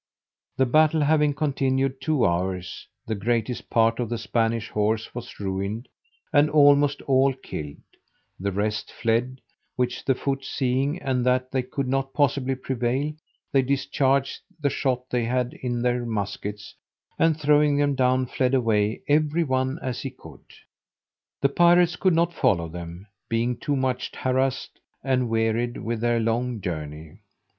The battle having continued two hours, the greatest part of the Spanish horse was ruined, and almost all killed: the rest fled, which the foot seeing, and that they could not possibly prevail, they discharged the shot they had in their muskets, and throwing them down, fled away, every one as he could. The pirates could not follow them, being too much harassed and wearied with their long journey.